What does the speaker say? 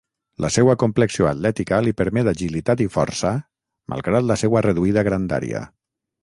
La seua complexió atlètica li permet agilitat i força malgrat la seua reduïda grandària.